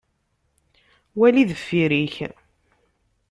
Wali deffir-ik.